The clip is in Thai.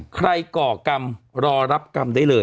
ก่อกรรมรอรับกรรมได้เลย